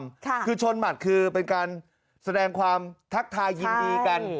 ค่ะคือชนหมัดคือเป็นการแสดงความทักทายยินดีกัน